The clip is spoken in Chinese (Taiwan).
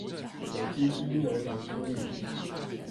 每隻雞牛羊豬魚